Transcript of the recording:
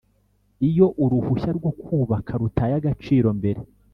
Iyo uruhushya rwo kubaka rutaye agaciro mbere